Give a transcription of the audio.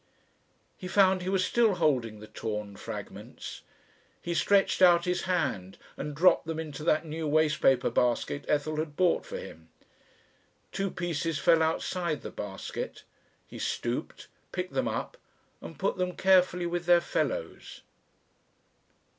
He found he was still holding the torn fragments. He stretched out his hand and dropped them into that new waste paper basket Ethel had bought for him. Two pieces fell outside the basket. He stooped, picked them up, and put them carefully with their fellows.